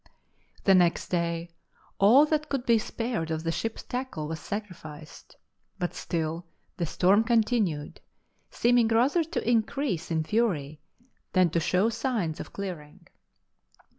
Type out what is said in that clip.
The next day all that could be spared of the ship's tackle was sacrificed; but still the storm continued, seeming rather to increase in fury than to show signs of clearing.